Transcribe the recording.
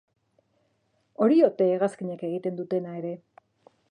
Hori ote hegazkinek egiten dutena ere?